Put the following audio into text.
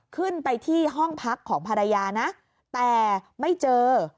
ขึ้นไปที่ห้องพักของภรรยานะแต่ไม่เจอ